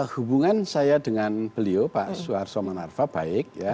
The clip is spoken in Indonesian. hubungan saya dengan beliau pak suharto monarva baik ya